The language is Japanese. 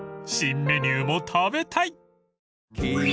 ［新メニューも食べたい！］